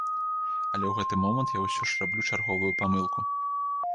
Але ў гэты момант я ўсё ж раблю чарговую памылку.